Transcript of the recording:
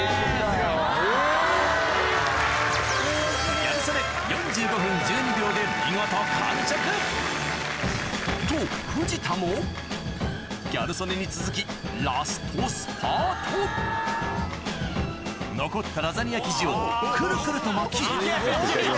ギャル曽根と藤田もギャル曽根に続きラストスパート残ったラザニア生地をくるくると巻きいただきます。